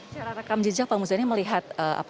secara rekam jejak pak muzani melihatnya seperti apa